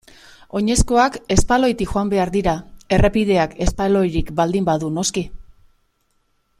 Oinezkoak espaloitik joan behar dira errepideak espaloirik baldin badu noski.